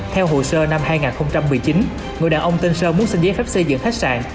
theo hồ sơ năm hai nghìn một mươi chín người đàn ông tên sơn muốn xin giấy phép xây dựng khách sạn